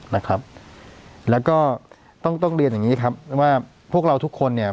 นะครับแล้วก็ต้องต้องเรียนอย่างงี้ครับว่าพวกเราทุกคนเนี่ย